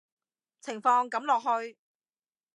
情況噉落去